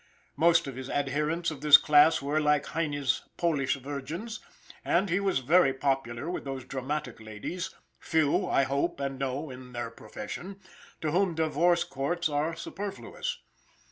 Most of his adherents of this class were, like Heine's Polish virgins, and he was very popular with those dramatic ladies few, I hope and know, in their profession to whom divorce courts are superfluous.